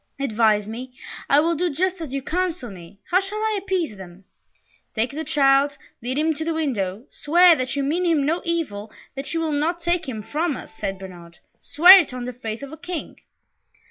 Advise me I will do just as you counsel me how shall I appease them?" "Take the child, lead him to the window, swear that you mean him no evil, that you will not take him from us," said Bernard. "Swear it on the faith of a King."